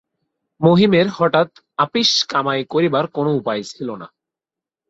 মহিমের হঠাৎ আপিস কামাই করিবার কোনো উপায় ছিল না।